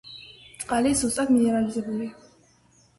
წყალი სუსტად მინერალიზებულია.